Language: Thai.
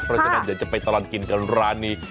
เพราะฉะนั้นเดี๋ยวจะไปตลอดกินกันร้านนี้